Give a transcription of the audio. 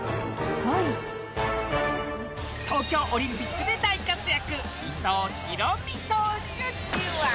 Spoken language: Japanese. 東京オリンピックで大活躍。